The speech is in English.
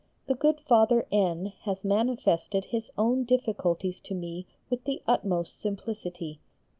The good Father N. has manifested his own difficulties to me with the utmost simplicity.